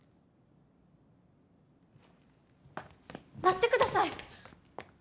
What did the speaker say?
待ってください！